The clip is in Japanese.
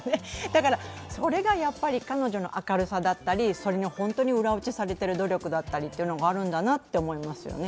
だから、それが彼女の明るさだったり、それが本当に裏打ちされている努力だったりというのがあるんだなと思いますよね。